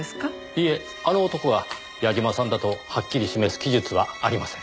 いえ「あの男」は矢嶋さんだとはっきり示す記述はありません。